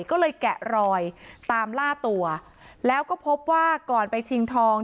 ก็เลยแกะรอยตามล่าตัวแล้วก็พบว่าก่อนไปชิงทอง